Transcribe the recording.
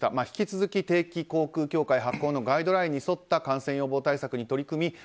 引き続き定期航空協会発行のガイドラインに沿った感染予防対策に取り組み